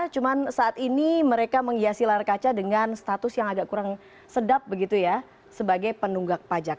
cuma saat ini mereka menghiasi layar kaca dengan status yang agak kurang sedap begitu ya sebagai penunggak pajak